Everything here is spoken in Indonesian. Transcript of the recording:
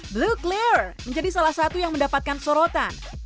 blue clair menjadi salah satu yang mendapatkan sorotan